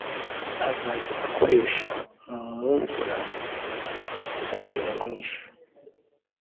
Azajya akoresha mumvura kuko iramwishe